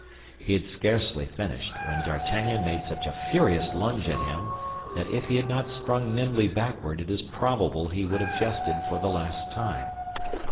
He had scarcely finished, when D'Artagnan made such a furious lunge at him that if he had not sprung nimbly backward, it is probable he would have jested for the last time.